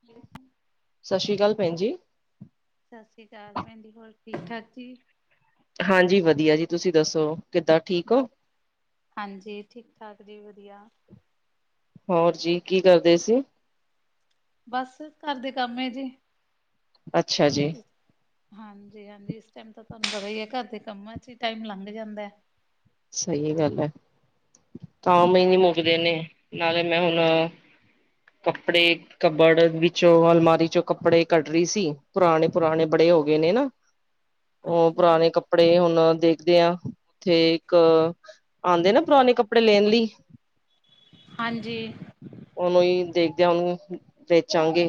Play ਵੇ ਸਸਰੀ ਕਾਲ ਭੈਨ ਜੀ। ਸਾਸਰੀ ਕਾਲ ਭੈਨ ਜੀ, ਹੋਰ ਠੀਕ-ਠਾਕ ਜੀ। ਹਾਂਜੀ ਵਦੀਆ ਜੀ ਤੁਸੀਂ ਦੱਸੋ ਕਿੱਦਾਂ ਠੀਕ ਹੋ? ਬਸ, ਹਾਂਜੀ ਠੀਕ-ਠਾਕ ਜੀ ਵਦੀਆ। ਹੋਰ ਜੀ, ਕੀ‌ ਕਰਦੇ ਸੀ। ਬਸ ਘਰ ਦੇ ਕੰਮ ਏ ਜੀ। ਅੱਛਾ ਜੀ। ਹਾਂਜੀ-ਹਾਂਜੀ ਇਸ ਟੈਮ ਤਾਂ ਤੁਆਨੂੰ ਪਤਾ ਈ ਐ ਘਰ ਦੇ ਕੰਮਾਂ ਚੀ ਟੈਮ ਲੰਘ ਜਾਂਦਾ। ਸਈ ਗੱਲ ਐ, ਕਾਮ ਈ ਨੀ ਮੁੱਕਦੇ ਨੇ, ਨਾਲੇ ਮੈਂ ਹੁਨ ਕੱਪੜੇ ਕਬੜ ਵਿੱਚੋਂ ਅਲਮਾਰੀ ਚੋਂ ਕੱਪੜੇ ਕੱਡ ਰੀ ਸੀ, ਪੁਰਾਨੇ-ਪੁਰਾਨੇ ਬੜੇ ਹੋ ਗਏ ਨੇ ਨਾ [inaudible] ਓ ਅੱਛਾ ਜੀ ਪੁਰਾਨੇ ਕੱਪੜੇ ਹੁਨ ਦੇਖਦੇ ਆਂ, ਓਥੇ ਇੱਕ ਆਂਦੇ ਨਾ ਪੁਰਾਨੇ ਕੱਪ ਕੱਪੜੇ ਲੇਨ ਲਈ ਹਾਂਜੀ। ਓਨੂੰ ਈ ਦੇਖਦੇ ਆਂ ਓਨੂੰ ਵੇਚਾਂਗੇ।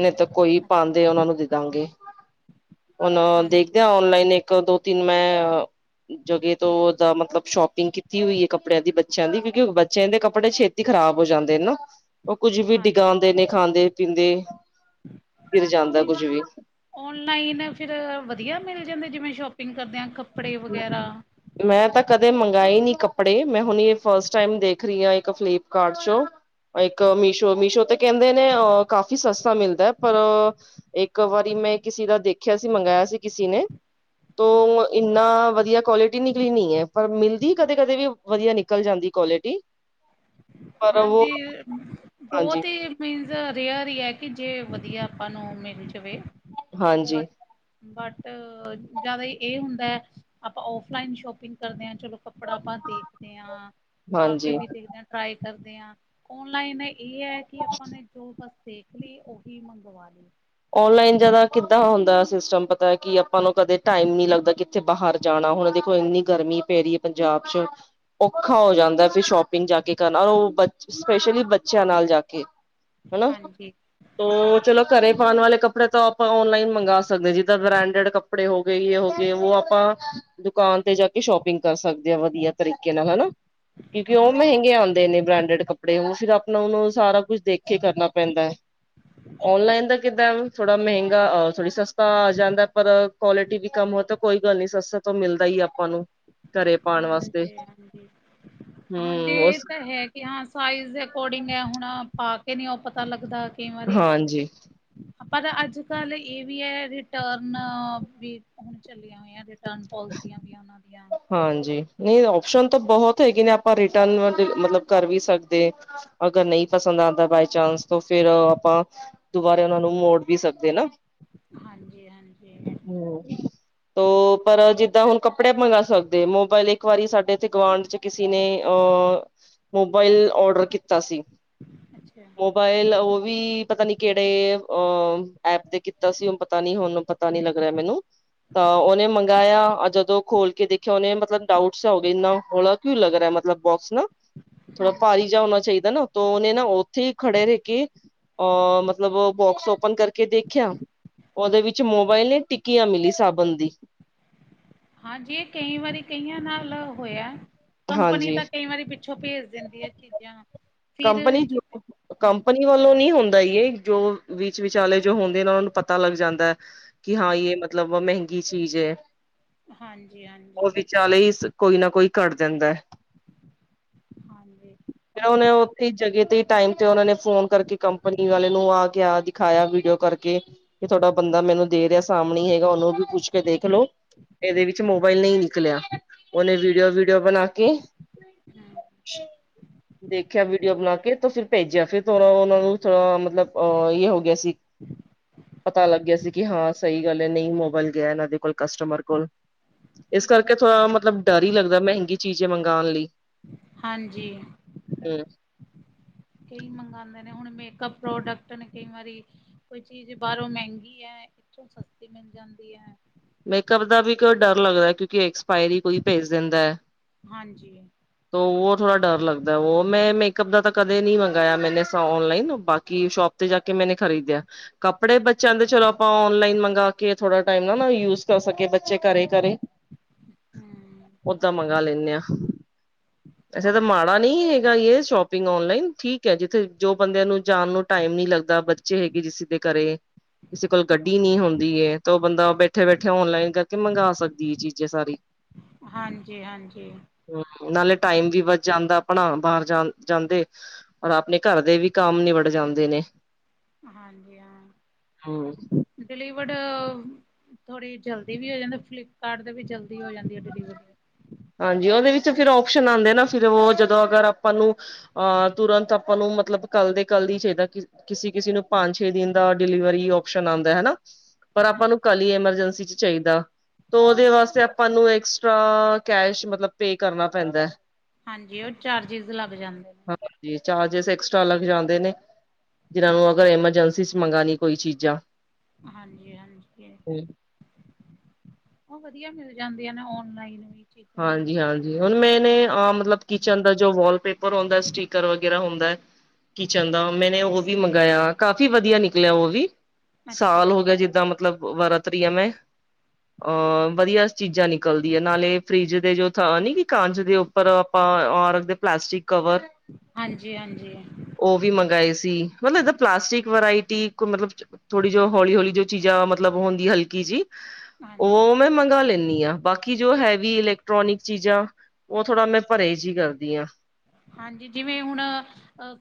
ਨਈ ਤਾਂ ਕੋਈ ਪਾਂਦੇ ਓਨਾਂ ਨੂੰ ਦੇ ਦਾਂਗੇ, ਹੁਨ ਦੇਖਦੇ ਹਾਂਜੀ ਆਂ ਔਨਲਾਈਨ ਇਕ ਇੱਕ ਦੋ ਤਿੰਨ ਮੈਂ ਜਗੇ ਤੋਂ ਓਦਾ ਮਤਲਬ ਸ਼ੋਪਿੰਗ ਕੀਤੀ ਹੋਈ ਏ ਕੱਪੜੇਆਂ ਦੀ ਬੱ ਬੱਚੇਆਂ ਦੀ ਕਿਓਂਕਿ ਬੱਚੇਆਂ ਦੇ ਕੱਪੜੇ ਛੇਤੀ ਖਰਾਬ ਹੋ ਜਾਂਦੇ ਨੇ ਨਾ, ਓ ਕੁੱਝ ਵੀ ਡਿਗਾ ਹਾਂਜੀ ਦੇ ਨੇ ਖਾਂਦੇ ਪੀਂਦੇ, ਗਿਰ ਜਾਂਦਾ ਕੁੱਝ ਵੀ। ਔਨਲਾਈਨ ਫਿਰ ਵਦੀਆ ਮਿਲ ਜਾਂਦੇ, ਜਿਵੇਂ ਸ਼ੋਪਿੰਗ ਕਰਦੇ ਆਂ ਕੱਪੜੇ ਵਗੈਰਾ ਮੈਂ ਤਾਂ ਕਦੇ ਮੰਗਾਏ ਨੀ ਕੱਪੜੇ ਮੈਂ ਹੁਨੇ ਫਸਟ ਟਾਈਮ ਦੇਖ ਰਈ ਆਂ ਇੱਕ ਫਲਿਪਕਾਟ ਚੋਂ। ਇੱਕ ਮੀਸ਼ੋ-ਮੀਸ਼ੋ ਤੇ ਕੈਂਦੇ ਨੇ ਅਮ ਕਾਫੀ ਸਸਤਾ ਮਿਲਦਾ, ਪਰ ਇੱਕ ਵਾਰੀ ਮੈਂ ਕਿਸੀ ਦਾ ਦੇਖੇਆ ਸੀ ਮੰਗਾਏਆ ਸੀ ਕਿਸੀ ਨੇ ਤੋ ਹਾਂਜੀ ਇੰਨਾ ਵਦੀਆ ਕੁਆਲਿਟੀ ਨਿਕਲੀ ਨੀ ਐ ਪਰ ਮਿਲਦੀ ਕਦੇ-ਕਦੇ ਵੀ ਵਦੀਆ ਨਿਕਲ ਜਾਂਦੀ ਕੁਆਲਿਟੀ। [inaudible] ਪਰ ਉਹ ਹਾਂਜੀ ਹਾਂਜੀ ਬੋਤ ਈ ਮੀਨਜ਼ ਰੇਅਰ ਈ ਐ ਕੇ ਜੇ ਵਦੀਆ ਆਪਾਂ ਨੂੰ ਮਿਲ ਜਾਵੇ ਬੱ ਹਾਂਜੀ ਬਟ ਜਾਦਾ ਈ ਏ ਹੁੰਦਾ ਆਪਾਂ ਔਫਲਾਈਨ ਸ਼ੋਪਿੰਗ ਕਰਦੇ ਆ ਚਲੋ ਕੱਪੜਾ ਆਪਾਂ ਦੇਖਦੇ ਆਂ ਪਾ ਕੇ ਹਾਂਜੀ ਵੀ ਦੇਖਦੇ ਆਂ, ਟਰਾਏ ਕਰਦੇ ਆਂ ਓਨਲਾਈਨ ਏ ਐ ਕੀ ਆਪਾਂ ਨੇ ਜੋ ਬਸ ਦੇਖ ਲੀ, ਓਹੀ ਮੰਗਵਾ ਲੀ। ਔਨਲਾਈਨ ਜਾਦਾ ਕਿੱਦਾਂ ਹੁੰਦਾ ਸਿਸਟਮ ਪਤਾ ਕੀ ਆਪਾਂ ਨੂੰ ਕਦੇ ਟਾਈਮ ਨੀ ਲੱਗਦਾ ਕਿੱਥੇ ਬਾਹਰ ਜਾਨਾ ਹੁਨ ਦੇਖੋ ਇੰਨੀ ਗਰਮੀ ਪੈ ਰੀ ਐ ਪੰਜਾਬ ਚ। ਔਖਾ ਹੋ ਜਾਂਦਾ ਫਿਰ ਸ਼ੋਪਿੰਗ ਜਾ ਕੇ ਕਰਨਾ ਓ ਬੱਚੇ ਸਪੈਸ਼ਲੀ ਬੱਚੇਆਂ ਨਾਲ ਜਾ ਕੇ ਹਨਾ, ਹਾਂਜੀ ਤੋਂ ਚਲੋ ਘਰੇਂ ਪਾਣ ਵਾਲੇ ਕੱਪੜੇ ਤੋਂ ਆਪਾਂ ਔਨਲਾਈਨ ਮੰਗਾ ਸਕਦੇ ਆ, ਜਿੱਦਾਂ ਬਰੈਂਡਡ ਕੱਪੜੇ ਹੋ ਗਏ ਤੇ ਯੇ ਹੋ ਗਏ ਵੋ ਆਪਾਂ ਦੁਕਾਨ ਤੇ ਜਾ ਕੇ ਸ਼ੋਪਿੰਗ ਕਰ ਸਕਦੇ ਆ, ਵਧੀਆ ਤਰੀਕੇ ਨਾਲ ਹਨਾ। ਕਿਉਂਕਿ ਉਹ ਹਾਂ ਮਹਿੰਗੇ ਆਦੇਂ ਨੇ ਬ੍ਰਾਂਡਡ ਕੱਪ ਕੱਪੜੇ, ਊ ਫਿਰ ਆਪਣਾ ਨੂੰ ਸਾਰਾ ਕੁਛ ਦੇਖ ਕੇ ਕਰਨਾ ਪੈਂਦਾ ਐ, ਔਨਲਾਈਨ ਦਾ [unintelligible] ਥੋੜਾ ਮਹਿੰਗਾ ਥੋੜੀ ਸਸਤਾ ਆ ਜਾਂਦਾ ਪਰ ਕੁਆਲਿਟੀ ਵੀ ਕੰਮ ਹੋ ਤੋ ਕੋਈ ਗੱਲ ਨੀ ਸਸਤਾ ਤੋਂ ਮਿਲਦਾ ਈ ਆਪ ਹਾਂਜੀ- ਹਾਂਜੀ, ਹਾਂਜੀ ਹੂੰ ਇਹ ਉਸ ਤੇ ਹੈ ਕਿ ਹਾਂ ਸਾਈਜ਼ ਦੇ ਅਕੋਰਡਿੰਗ ਐ, ਹੁਣ ਪਾ ਕੇ ਨੀ ਉਹ ਪਤਾ ਲੱਗਦਾ ਕਈ ਵਾਰੀ ਹਾਂਜੀ। ਹਾਂ ਪਰ ਅੱਜ ਕੱਲ ਇਹ ਵੀ ਐ, ਰਿਟਰਨ ਵੀ ਹੁਣ ਚੱਲੀਆਂ ਹੋਈਆਂ ਦ ਰਿਟਰਨ ਪੋਲਸੀਆਂ ਵੀ ਆ, ਉਹਨਾਂ ਦੀਆਂ ਹਾਂਜੀ, ਨਈ ਓਪਸ਼ਨ ਤਾਂ ਬਹੁਤ ਹੈਗੇ ਨੇ ਆਪਾਂ ਰਿਟਰਨ ਵਦੇ ਮਤਲਬ ਕਰ ਵੀ ਸਕਦੇ। ਅਗਰ ਨਹੀਂ ਪਸੰਦ ਆਇਆ ਤਾਂ ਬਾਈ ਚਾਂਸ ਤੋਂ ਫਿਰ ਆਪਾ ਦੁਬਾਰਾ ਉਹਨਾ ਨੂੰ ਮੋੜ ਵੀ ਸਕਦੇ ਆ ਨਾ। ਹਾਂਜੀ- ਹਾਂਜੀ। ਹੂੰ, ਤੋ ਪਰ ਜਿੱਦਾਂ ਹੁਣ ਕੱਪੜੇ ਮੰਗਾ ਸ ਸਕਦੇ ਮੋਬਾਇਲ ਇੱਕ ਵਾਰੀ ਸਾਡੇ ਇਥੇ ਗੁਵਾਢ ਚ ਕਿਸੇ ਨੇ ਅਹ ਮੋਬਾਇਲ ਔਡਰ ਕੀਤਾ ਸੀ। ਅੱਛਾ। ਮੋਬਾਇਲ ਉਹ ਵੀ ਪਤਾ ਨੀ ਕਿਹੜੇ ਅਹ ਐਪ ਤੇ ਕੀਤਾ ਸੀ, ਉਹ ਪਤਾ ਨੀ ਹੁਣ ਪਤਾ ਨੀ ਲੱਗ ਰਿਹਾ ਮੈਨੂੰ ਤਾਂ ਉਹਨੇ ਮੰਗਾਇਆ ਆਹ ਜਦੋਂ ਖੋਲ ਕੇ ਦੇਖਿਆ, ਉਹਨੇ ਮਤਲਬ ਡਾਊਟਸ ਹੋ ਗਏ ਇੰਨਾ ਹੋਲ -ਲਾ ਕਿਉ ਲੱਗ ਰਿਹਾ ਮਤਲਬ ਬੋਕਸ ਨਾ ਥੋੜਾ ਹੂੰ ਭਾਰੀ ਜਾ ਹੋਣਾ ਚਾਹੀਦਾ ਨਾ, ਤੋਂ ਉਹਨੇ ਨਾ ਉੱਥੇ ਈ ਖੜੇ ਰਹਿ ਕੇ ਅਹ ਮਤਲਬ ਬੋਕਸ ਓ ਓਪਨ ਕਰਕੇ ਦੇਖਿਆ, ਉਹਦੇ ਵਿੱਚ ਮੋਬਾਇਲ ਨਹੀ ਟਿੱਕੀਆਂ ਮਿਲੀ ਸਾਬਣ ਦੀ। ਹਾਂਜੀ, ਇਹ ਕਈ ਵਾਰੀ ਕਈਆਂ ਨਾਲ ਹੋਇਆ, ਕੰਪਨੀ ਹਾਂਜੀ ਤਾਂ ਕਈ ਵਾਰੀ ਪਿ ਪਿੱਛੋਂ ਭੇਜ ਦਿੰਦੀ ਆਂ ਚੀਜ਼ਾਂ ਫਿਰ ਕੰਪਨੀ ਜਿਵੇਂ ਹਾਂਜੀ -ਕੰਪਨੀਆਂ ਵੱਲੋਂ ਨੀ ਹੁੰਦਾ ਯੇ, ਜੋ ਵਿੱਚ ਵਿਚਾਲੇ ਜੋ ਹੁੰਦੇ ਨੇ ਉਹਨਾਂ ਨੂੰ ਪਤਾ ਲੱਗ ਜਾਂਦਾ ਕਿ ਹਾਂ ਯੇ ਮਤਲਬ ਮਹਿੰਗੀ ਚੀਜ਼ ਐ, ਹਾਂਜੀ ਹਾਂਜੀ ਉਹ ਵਿਚਾਲੇ ਇਸ ਕੋਈ ਨਾ ਕੋਈ ਕੱਢ ਦਿੰਦਾ ਐ। ਹਾਂਜੀ, ਹੁਣ ਕਈ ਵਾਰੀ ਜਗੇ ਤੇ ਟਾਇਮ ਤੇ ਉਹਨਾਂ ਨੇ ਫੋਨ ਕਰਕੇ ਕੰਪਨੀ ਵਾਲੇ ਨੂੰ ਆ ਕਿਆ ਦਿਖਾਇਆ ਵੀਡੀਓ ਕਰਕੇ ਕਿ ਤੁਹਾਡਾ ਬੰਦਾ ਮੈਨੂੰ ਦੇ ਰਿਹਾ ਸਾਹਮਣੇ ਈ ਹੈਗਾ, ਉਹਨੂੰ ਵੀ ਪੁੱਛ ਕੇ ਦੇਖ ਲੋੋ ਇਹਦੇ ਵਿੱਚ ਮੋਬਾਇਲ ਨੀਂ ਨਿਕਲਿਆ ਉਹਨੇ ਵੀਡੀਓ- ਵੀਡੀਓ ਬਣਾ ਕੇ ਹੂੰ। ਖਿਆ ਵੀਡੀਓ ਬਣਾ ਕੇ ਤੋਂ ਫਿਰ ਭੇਜਿਆ, ਫਿਰ ਤੋਨੂ ਉਹਨਾਂ ਨੂੰ ਥੋੜਾ ਮਤਲਬ ਏ ਹੋ ਗਿਆਂ ਸੀ, ਪਤਾ ਲੱਗ ਗਿਆ ਸੀ ਕਿ ਹਾਂ ਸਹੀ ਗੱਲ ਨਹੀਂ ਮੋਬਾਇਲ ਗਿਆ, ਇਹਨਾਂ ਦੇ ਕੋਲ ਕਸਟਮਰ ਕੋਲ ਇਸ ਕਰਕੇ ਥੋੜਾ ਮਤਲਬ ਡਰ ਈ ਲੱਗਦਾ, ਮਹਿੰਗੀ ਚੀਜ਼ ਮੰਗਾਣ ਲਈ। ਹਾਂਜੀ। ਹੂੰ। ਕਈ ਮੰਗਾਦੇ ਨੇ, ਹੁਣ ਮੇਕਅਪ ਪ੍ਰੋਡਕਟ ਨੇ ਕਈ ਵਾਰੀਂ ਕੋਈ ਚੀਜ਼ ਬਾਹਰੋਂ ਮਹਿੰਗੀ ਐ, ਇੱਥੋਂ ਸਸਤੀ ਮਿਲ ਜਾਂਦੀ ਐ। ਮੇਕਅਪ ਦਾ ਵੀ ਕਿਉਂ ਡਰ ਲੱਗਦਾ, ਕਿਉਂਕਿ ਐਕਸਪਾਇਰੀ ਕੋਈ ਭੇਜ ਦਿੰਦਾ ਐ। ਹਾਂਜੀ। ਤੋਂ ਵੋਹ ਥੋੜ੍ਹਾ ਡਰ ਲੱਗਦਾ। ਉਹ ਮੈਂ ਮੇਕੱਪ ਦਾ ਤਾਂ ਕਦੇ ਨਹੀਂ ਮੰਗਾਇਆ ਮੈਨੇ ਸੌਣ ਔਨਲਾਈਨ ਬਾਕੀ ਸ਼ੋਪ ਉਤੇ ਜਾ ਕੇ ਮੈਨੇ ਖ਼ਰੀਦਿਆ, ਕੱਪੜੇ ਬੱਚਿਆਂ ਦੇ ਚਲੋ ਆਪਾਂ ਔਨਲਾਈਨ ਮੰਗਾ ਕੇ ਥੋੜਾ ਟਾਈਮ ਨਾ ਯੂਜ ਸਟਫ ਅੱਗੇ ਬੱਚੇ ਘਰੇ- ਘਰੇ। ਹਮ ਓਦਾਂ ਮੰਗਵਾ ਲੈਂਨੇ ਆ, ਅੱਛਾ ਤੇ ਹਾਂਜੀ ਮਾੜਾ ਨਹੀਂ ਹੈਗਾ ਇਹ ਸ਼ੋਪਿੰਗ ਔਨਲਾਈਨ, ਠੀਕ ਹੈ, ਜਿੱਥੇ ਜੋ ਬੰਦਿਆਂ ਨੂੰ ਜਾਣ ਨੂੰ ਟਾਈਮ ਨੀ ਲੱਗ ਦਾ ਬੱਚੇ ਹੈਗੇ ਜਿਸ ਦੇ ਘਰੇ, ਕਿਸੇ ਕੋਲ ਗੱਡੀ ਨੀ ਹੁੰਦੀ ਐ, ਤਾਂ ਉਹ ਬੰਦਾ ਬ ਉੱਥੇ ਬੈਠੇ ਔਨਲਾਈਨ ਕਰਕੇ ਮੰਗਵਾ ਸਕਦੀ ਆ ਚੀਜ਼ਾਂ ਸਾਰੀ। ਹਾਂਜੀ ਹਾਂਜੀ ਹਮ, ਨਾਲੇ ਟਾਈਮ ਵੀ ਬਚ ਜਾਂਦਾ। ਆਪਣਾ ਬਾਹਰ, ਜਾ ਜਾਂਦੇ। ਔਰ ਆਪਣੇ ਘਰ ਦੇ ਵੀ ਕੰਮ ਨਿੱਬੜ ਜਾਂਦੇ ਨੇ। ਹਾਂਜੀ- ਹਾਂ, ਹੂੰ, ਡਿਲੀਵਡ ਥੋੜ੍ਹੀ ਜਲਦੀ ਵੀ ਹੋ ਜਾਂਦੀ। ਫਲਿੱਪਕਾਰਟ ਦੇ ਵੀ ਜਲਦੀ ਹੋ ਜਾਂਦੀ ਐ ਡਿਲੀਵਰੀ। ਹਾਂਜੀ, ਉਹਦੇ ਵਿੱਚ ਫੇਰ ਉਪਸ਼ਨ ਆਉਂਦੇ ਨਾ, ਫਿਰ ਉਹ ਜਦੋਂ ਅਗਰ ਆਪਾਂ ਨੂੰ ਆਹ, ਤੁਰੰਤ ਆਪਾਂ ਨੂੰ ਮਤਲਬ। ਕੱਲ ਦੇ ਕੱਲ ਹੀ ਚਾਹੀਦਾ, ਕਿਸੇ-ਕਿਸੇ ਨੂੰ ਪੰਜ- ਛੇ ਦਿਨ ਦਾ ਡਿਲੀਵਰੀ ਉਪਸ਼ਨ ਆਉਂਦਾ, ਹਨਾ। ਪਰ ਹਾਂ ਆਪਾਂ ਨੂੰ ਕੱਲ ਹੀ ਐਮਰਜੈਂਸੀ 'ਚ ਚਾਹੀਦਾ। ਤੋ ਉਹਦੇ ਵਾਸਤੇ ਆਪਾਂ ਨੂੰ ਤਾਂ, ਕੈਸ਼ ਮਤਲਬ ਪੇ ਕਰਨਾ ਪੈਂਦਾ। ਹਾਜੀ ਓ ਚਾਰਜਿਸ ਲੱਗ ਜਾਂਦੇ। ਹਾਂਜੀ, ਚਾਰਜਿਸ਼ ਐਕਸਟਰਾ ਲੱਗ ਜਾਂਦੇ ਨੇ। ਜਿਨਾਂ ਹੂੰ। ਨੂੰ ਅਗਰ ਐਮਰਜੈਂਸੀ 'ਚ ਮੰਗਾਨੀ। ਕੋਈ ਚੀਜ਼ਾਂ। ਹਾਂਜੀ- ਹਾਂਜੀ ਏ ਉਹ ਵਧੀਆ ਮਿਲ ਜਾਂਦੇ ਆ ਨਾ ਔਨਲਾਈਨ ਵੀ। ਚੀਜ਼ਾਂ। ਹਾਂਜੀ, ਆਂ। ਜੀ ਹੁਣ ਮੈਂਨੇ, ਮਤਲਬ ਕਿਚਨ ਦਾ ਜੋ ਵਾਲਪੇਪਰ ਹੁੰਦਾ ਸਟੀਕਰ ਵਗੈਰਾ ਹੁੰਦਾ ਕਿਚਨ ਦਾ ਮੈਨੇ ਉਹ ਵੀ ਮੰਗਾਇਆ, ਕਾਫ਼ੀ ਵਧੀਆ ਨਿਕਲਿਆ ਉਹ ਵੀ, ਅੱਛਾ ਸਾਲ ਜੀ ਹੋ ਗਿਆ ਜਿੱਦਾ ਮਤ ਮਤਲਬ ਵਰਤਰੀਆਂ ਮੈਂ, ਅਹ, ਵਧੀਆ ਚੀਜ਼ਾਂ ਨਿਕਲਦੀਆਂ ਨਾਲੇ ਫਰਿਜ਼ ਦੇ ਜੋ ਥਾ ਨੀ, ਕਾਂਜ ਦੇ ਉੱਪਰ ਆਪਾਂ ਔਰ ਦੇ ਪਲਾਸਟਿਕ ਕਵਰ। ਹਾਂਜੀ- ਹਾਂਜੀ। ਉਹ ਵੀ ਮੰਗਾਏ ਸੀ। ਮਤਲਬ ਐਦਾਂ ਪਲਾਸਟਿਕ ਵਰਾਇਟੀ ਕੋ ਮਤਲਬ ਥੋੜੀ ਜੋ ਹੌਲੀ- ਹੌਲੀ ਜੋ ਚੀਜ਼ਾਂ, ਮਤਲਬ ਹੁੰਦੀ ਹਲਕੀ ਜੀ। ਹਾਂਜੀ। ਉਹ ਮੈਂ ਮੰਗਾਂ ਲੈਂਨੀ ਆਂ, ਬਾਕੀ ਜੋ ਹੈ ਵੀ ਇਲੈਕਟ੍ਰੋਨਿਕ ਚੀਜ਼ਾਂ, ਉਹ ਥੋੜਾ ਮੈਂ ਪਰਹੇਜ ਹੀ ਕਰਦੀ ਆਂ। ਹਾਂਜੀ ਜਿਵੇਂ ਹੁਣ,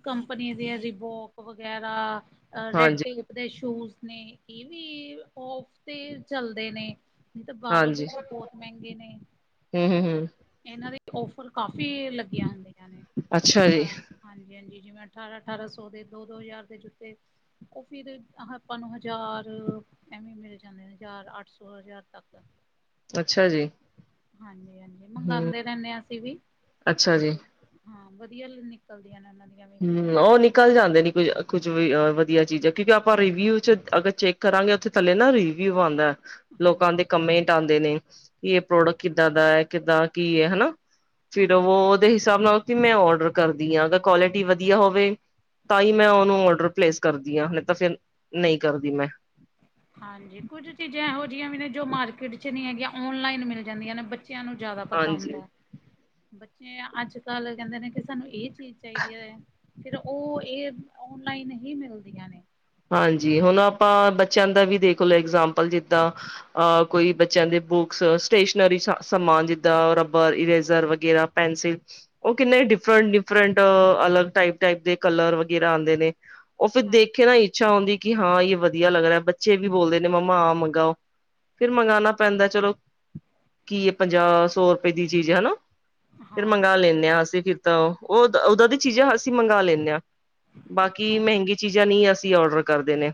ਕੰਪਨੀ ਦੇ ਰਿਬੋਕ ਵਗੈਰਾ ਰੈਡ ਹਾਂਜੀ ਟੇਪ ਦੇ ਸ਼ੂਜ ਨੇ, ਇਹ ਵੀ ਔਫ ਤੇ ਚੱਲਦੇ ਨੇ ਨਹੀਂ ਤਾਂ, ਬਾਹਰੋਂ ਦੇ ਹਾਂਜੀ ਤੇ ਬਹੁਤ ਮਹਿੰਗੇ ਨੇ। ਹਮ ਹਮ ਹਮ ਇਹਨਾਂ ਦੇ ਓਫਰ ਕਾਫੀ ਲੱਗੀਆਂ ਹੁੰਦੀਆਂ ਨੇ, ਅੱਛਾ ਜੀ ਹਾਂ ਹਾਂਜੀ, ਹਾਂਜੀ ਜਿਵੇਂ ਅਠਾਰਾਂ-ਅਠਾਰਾਂ ਸੌ ਦੇ, ਦੋ-ਦੋ ਹਜ਼ਾਰ ਦੇ ਜੁੱਤੇ ਉਹ ਫਿਰ, ਆਪਾਂ ਨੂੰ ਹਜ਼ਾਰ ਐਵੇਂ ਮਿਲ ਜਾਂਦੇ ਨੇ, ਹਜ਼ਾਰ, ਅੱਠ ਸੌ- ਹਜ਼ਾਰ ਤੱਕ। ਅੱਛਾ ਜੀ। ਹਾਂਜੀ, ਹਾਂਜੀ ਹਮ ਮੰਗਾਂਦੇ ਰਹਿੰਦੇ ਅਸੀਂ ਵੀ। ਅੱਛਾ ਜੀ ਹਾਂ, ਵਧੀਆ ਨਿਕਲਦੀਆਂ ਨੇ ਇਹਨਾਂ ਦੀ ਹਮ, ਉਹ ਨਿਕ ਨਿਕਲ ਜਾਂਦੇ ਕੁਝ, ਕੁੱਝ ਵੀ ਵਧੀਆ ਚੀਜ਼ ਐ। ਕਿਉਂਕਿ ਆਪਾਂ ਰਿਵਿਊ 'ਚ ਅਗਰ ਚੈੱਕ ਕਰਾਂਗੇ ਉੱਥੇ ਥੱਲੇ ਨਾ ਰਿਵਿਊ ਆਂਦਾ, ਹਾਂਜੀ ਲੋਕਾਂ ਦੇ ਕਮੇਂਟ ਆਂਉਦੇ ਨੇ। ਕਿ ਏ ਪ੍ਰੋਡਕਟ ਕਿੱਦਾਂ ਦਾ ਐ, ਕਿੱਦਾਂ ਕੀ ਏ ਹਨਾ ਫਿਰ ਹਾਂ ਵੋ ਦੇ ਹਿਸਾਬ ਨਾਲ ਕਿ ਮੈਂ ਔਡਰ ਕਰਦੀ ਆ ਅਗਰ ਕੌਲਟੀ ਵਧੀਆ ਹੋਵੇ ਤਾਂ ਈ ਮੈ ਉਨੂੰ ਔਡਰ ਪਲੇਸ ਕਰਦੀ ਆ ਨੀ ਤਾਂ ਫੇਰ ਨਈ ਕਰਦੀ ਮੈਂ। ਹਾਂਜੀ ਕੁਝ ਚੀਜ਼ਾਂ ਐਹੋ ਜੀ ਆ ਵੀ ਨੇ ਜੋ ਮਾਰਕੀਟ 'ਚ ਨੀ ਹੈਗੀਆਂ ਔਨਲਾਈਨ ਮਿਲ ਜਾਂਦੀਆਂ ਨੇ ਬੱ ਚਿਆਂ ਨੂੰ ਜਿਆਦਾ ਪਤਾ ਹਾਂਜੀ ਹੁੰਦਾ ਐ, ਬੱਚੇ ਅੱਜ-ਕੱਲ ਕੈਂਦੇ ਨੇ ਕਿ ਸਾਨੂੰ ਏ ਚੀਜ਼ ਚਾਈਦੀ ਐ ਫਿਰ ਓ ਏ ਓਨਲਾਈਨ ਹੀ ਮਿਲਦੀਆਂ ਨੇ। ਹਾਂਜੀ ਹੁਣ ਆਪਾਂ ਬੱਚਿਆਂ ਦਾ ਵੀ ਦੇਖ ਲੋ ਐਗਜ਼ਾਮਪਲ ਜਿੱਦਾਂ ਅ ਕੋਈ ਬੱਚਿਆਂ ਦੇ ਬੁੱਕਸ ਸਟੇਸ਼ਨਰੀ ਸ ਸਮਾਨ ਜਿੱਦਾਂ ਰਬਰ-ਇਰੇਜ਼ਰ ਵਗੈਰਾ ਪੈਨਸਿਲ ਓ ਕਿੰਨੇ ਡਿਫਰੈਂਟ-ਡਿਫਰੈਂਟ ਅਲੱਗ ਟਾਈਪ-ਟਾਈਪ ਦੇ ਕਲਰ ਵਗੈਰਾ ਆਂਦੇ ਨੇ ਓ ਫਿਰ ਹਾਂ ਦੇਖੇ ਨਾ ਇੱਛਾ ਹੁੰਦੀ ਕਿ ਹਾਂ ਏਈ ਵਧੀਆ ਲੱਗ ਰੇਆ ਬੱਚੇ ਵੀ ਬੋਲਦੇ ਨੇ ਮੰਮਾ ਆ ਮੰਗਾਓ। ਫਿਰ ਮੰਗਾਂਣਾ ਪੈਂਦਾ ਚਲੋ, ਕੀ ਏ ਪੰਜਾਹ-ਸੌ ਰੁਪਏ ਦੀ ਚੀਜ਼ ਹਨਾ। ਫੇਰ ਹਾਂ ਮੰਗਾ ਲੈਂਨੇ ਆ ਅਸੀਂ ਫਿਰ ਤਾਂ ਓ ਉਦਾਂ, ਉਦਾਂ ਦੀ ਚੀਜ਼ਾਂ ਅਸੀਂ ਮੰਗਾ ਲੈਂਨੇ ਆ। ਬਾਕੀ ਹਾਂਜੀ ਮਹਿੰਗੀ ਚੀਜ਼ਾਂ ਨੀ ਅਸੀਂ ਔਡਰ ਕਰਦੇ ਨੇ।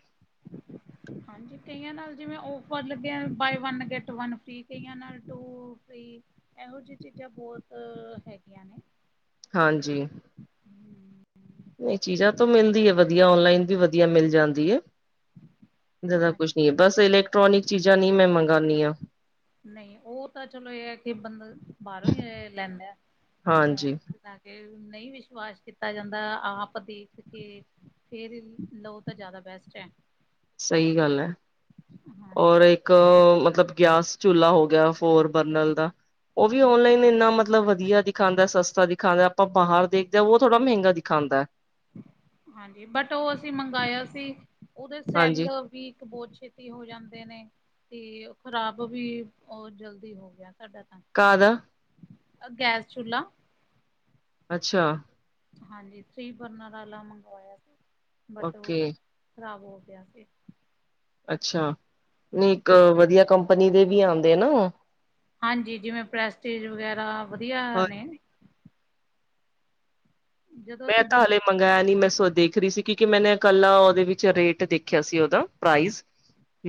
ਹਾਂਜੀ ਕਈਆਂ ਨਾਲ ਜਿਵੇਂ ਓਫਰ ਲੱਗਿਆ buy one get one free ਕਈਆਂ ਨਾਲ ਟੂ ਫਰੀ। ਐਹੋ ਜੀ ਚੀਜ਼ਾਂ ਬੋਤ ਹੈਗੀਆਂ ਨੇ। ਹਾਂਜੀ। ਨਈ ਚੀਜ਼ਾਂ ਤੋਂ ਮਿਲਦੀ ਏ ਵਧੀਆ ਓਨਲਾਈਨ ਵੀ ਵਧੀਆ ਮਿਲ ਜਾਂਦੀ ਏ, ਜਿਦਾਂ ਹਾਂ ਕੁਛ ਕੇ ਬਸ ਇਲੈਕਟ੍ਰੋਨਿਕ ਚੀਜ਼ਾਂ ਨੀ ਮੈਂ ਮੰਗਾਂਨੀ ਆ। ਨਈ ਓ ਤਾਂ ਚਲੋ ਏ ਐ ਕਿ ਬੰਦਾ ਬਾਰੋਂ ਈ‌ ਲੈਂਦੇ, ਹਾਂ ਹਾਂਜੀ। ਤਾਂ ਕੇ ਨਈ ਵਿਸ਼ਵਾਸ ਕੀਤਾ ਜਾਂਦਾ ਆਪ ਦੇਖ ਕੇ ਫੇਰ ਈ ਲੋ ਤਾਂ ਜਿਆਦਾ ਬੈਸਟ ਐ। ਸਈ ਗੱਲ ਐ, ਔਰ ਹਾਂਜੀ ਇੱ ਕ ਮਤਲਬ ਗੈਸ ਚੁੱਲਾ ਹੋ ਗਿਆ ਫੋਰ ਬਰਨਲ ਦਾ ਓ ਵੀ ਔਨਲਾਈਨ ਇੰਨਾ ਮਤਲਬ ਵਧੀਆ ਦਿਖਾਂਦਾ ਸਸਤਾ ਦਿ ਖਾਂਦਾ ਆਪਾਂ ਬਾਹਰ ਦੇਖਦੇ ਆ ਓ ਥੋੜਾ ਮਹਿੰਗਾ ਦਿਖਾਂਦਾ ਐ। ਹਾਂਜੀ ਬਟ ਓ ਅਸੀਂ ਮੰਗਾਇਆ ਸੀ ਉਦੇ ਸੈੱਲ ਹਾਂਜੀ ਵੀਕ ਬੋ ਛੇ ਤੀ ਹੋ ਜਾਂਦੇ ਨੇ ਤੇ ਖ਼ਰਾਬ ਵੀ ਓ ਜਲਦੀ ਹੋ ਗਿਆ ਸਾਡਾ ਤਾਂ। ਕਾਦਾ? ਅ ਗੈਸ ਚੁੱਲਾ। ਅੱਛਾ। ਹਾਂਜੀ ਥਰੀ ਬਰਨਰ ਆਲਾ ਮੰਗਵਾਇਆ ਸੀ ਬਟ ਓ ਓਕੇ ਖ਼ਰਾਬ ਹੋ ਗਿਆ ਸੀ। ਅੱਛਾ ਨੀ ਇੱਕ ਵਧੀਆ ਕੰਪਨੀ ਦੇ ਵੀ ਆਂਦੇ ਨਾ ਹਾਂਜੀ ਜਿਵੇਂ ਪ੍ਰੈਸਟੀਜ ਵਗੈਰਾ ਵਧੀਆ ਨੇ। ਜਦੋਂ ਮੈਂ ਅਸੀਂ ਦੂ ਤਾਂ ਹਲੇ ਮੰਗਾਇਆ ਨੀ ਮੈਂ ਸੋ ਦੇਖ ਰੀ ਸੀ ਕਿਉਂਕਿ ਮੈਨੇ ਇਕੱਲਾ ਉਦੇ ਵਿੱਚ ਰੇਟ ਦੇਖਿਆ ਸੀ ਉਦਾਂ ਪ੍ਰਾਈਜ਼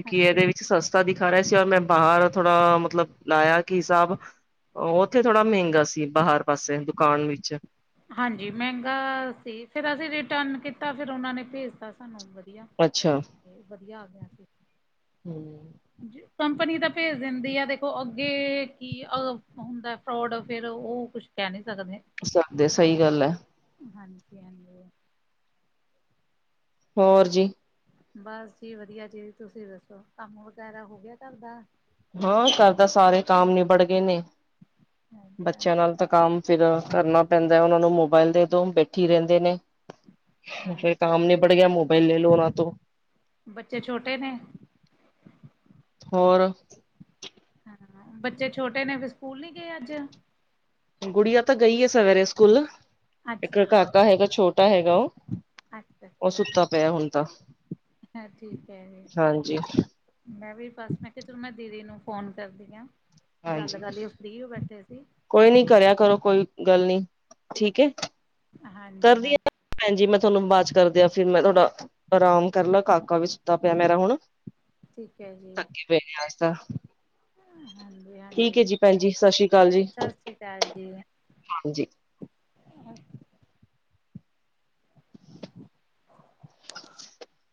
ਕਿ ਅੱਛਾ ਏਦੇ ਵਿੱਚ ਸਸਤਾ ਦਿਖਾ ਰੇਆ ਸੀ ਔਰ ਮੈਂ ਬਾਹਰ ਥੋੜਾ ਮਤਲਬ ਲਾਇਆ ਕੀ ਹਿਸਾਬ ਉੱਥੇ ਥੋੜਾ ਮਹਿੰਗਾ ਸੀ ਬਾਹਰ ਪਾਸੇ ਦੁਕਾਨ ਵਿੱਚ। ਹਾਂਜੀ ਮਹਿੰਗਾ ਸੀ ਫਿਰ ਅਸੀਂ ਰਿਟਰਨ ਕੀਤਾ ਫਿਰ ਉਨਾਂ ਨੇ ਭੇਜਤਾ ਸਾਨੂੰ ਵਧੀਆ। ਅੱਛਾ। ਤੇ ਵਧੀਆ ਆ ਗਿਆ ਸੀ। ਹੂੰ। ਕੰਪਨੀ ਤਾਂ ਭੇਜ ਦਿੰਦੀ ਆ ਦੇਖੋ ਅੱਗੇ ਕੀ ਆ ਅ ਹੁੰਦਾ ਫਰੋਡ ਫਿਰ ਓ ਕੁਛ ਕੈ ਨੀ ਸਕਦੇ। ਸਕਦੇ ਸਈ ਗੱਲ ਐ। ਹਾਂਜੀ-ਹਾਂਜੀ। ਹੋਰ ਜੀ ਬਸ ਜੀ ਵਧੀਆ ਜੀ ਤੁਸੀਂ ਦੱਸੋ, ਕੰਮ ਵਗੈਰਾ ਹੋ ਗਯਾ ਘਰ ਦਾ? ਹਾਂ, ਘਰ ਦਾ ਸਾਰੇ ਕੰਮ ਨੀਬੜ ਗਏ ਨੇ ਬੱਚੇਆਂ ਨਾਲ ਤਾਂ ਕੰਮ ਫੇਰ ਕਰਨਾ ਪੈਂਦਾ ਓ ਨੂੰ ਮੋਬਾਇਲ ਦੇਦੋ ਬੈਠੀ ਰੈਂਦੇ ਨੇ ਫੇਰ ਹਾਂਜੀ ਕਾਮ ਨੀਬੜ ਪੜ ਗਯਾ ਮੋਬਾਈਲ ਲੈ ਲਓ ਓਨਾਂ ਤੋਂ। ਬੱਚੇ ਛੋਟੇ ਨੇ ਹੋਰ ਹਾਂ ਬੱਚੇ ਛੋਟੇ ਨੇ ਫੇਰ ਸਕੂਲ ਨੀ ਗਏ ਅੱਜ? ਗੁੜੀਆ ਤਾਂ ਗਈਏ ਸਵੇਰੇ ਸਕੂਲ, ਇੱਕ ਅੱਛਾ ਜੀ ਕਾਕਾ ਹੈਗਾ ਛੋਟਾ ਹੈਗਾ ਓ। ਅੱਛਾ ਓ ਜੀ ਸੁੱਤਾ ਪੇਆ ਹੁਣ ਤਾਂ, ਹਾਂ ਠੀਕ ਹੈ ਜੀ ਹਾਂਜੀ। ਮੈਂ ਵੀ ਬਸ ਮੈਂ ਕੇਆ ਚਲੋ ਮੈਂ ਦੀਦੀ ਨੂੰ ਫੋਨ ਕਰਦੀ ਆ। ਹਾਂਜੀ ਗੱਲਕਰਲੀਏ ਫ੍ਰੀਓ ਬੈਠੇ ਸੀ। ਕੋਈ ਨੀ ਕਰਿਆ ਕਰੋ, ਕੋਈ ਗੱਲ ਨੀ ਠੀਕੈ। ਹਾਂਜੀ ਹਾਂ ਕਰਦੀਆਂ ਭੈਣ ਜੀ ਥੋਨੂੰ ਬਾਦ ਕਰਦੀ ਆ ਫੇਰ ਮੈਂ ਥੋੜਾ। ਆਰਾਮ ਕਰ ਲਾ ਕਾਕਾ ਸੁੱਤਾ ਪਿਆ ਹੁਣ। ਠੀਕੈ ਜੀ। [unintelligible] ਹਾਂਜੀ ਠੀਕ ਹਾਂਜੀ ਏ ਜੀ ਭੈਣ ਜੀ ਸਸ਼ੀ ਅਕਾਲ ਜੀ, ਸਤਿ ਸ਼੍ਰੀ ਅਕਾਲ ਜੀ ਹਾਂਜੀ। [inaudible]